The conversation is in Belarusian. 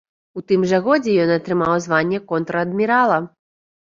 У тым жа годзе ён атрымаў званне контр-адмірала.